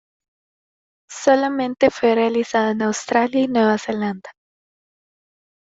Solamente fue realizado en Australia y Nueva Zelanda.